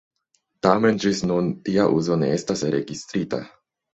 Tamen ĝis nun tia uzo ne estas registrita.